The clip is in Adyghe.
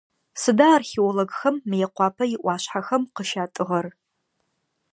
Сыда археологхэм Мыекъуапэ иӏуашъхьэхэм къыщатӏыгъэр?